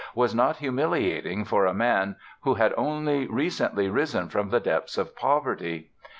was not humiliating for a man who had only recently risen from the depths of poverty."